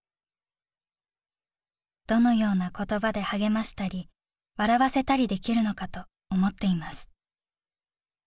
「どのような言葉で励ましたり笑わせたりできるのかと思っています」。